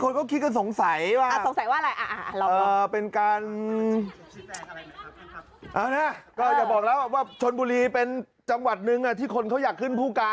อย่าบอกแล้วว่าชนบุรีเป็นจังหวัดนึงที่คนเขาอยากขึ้นผู้การ